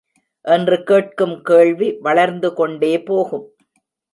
என்று கேட்கும் கேள்வி வளர்ந்து கொண்டே போகும்.